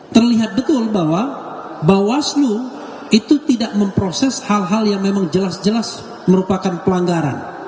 terlihat betul bahwa bawaslu itu tidak memproses hal hal yang memang jelas jelas merupakan pelanggaran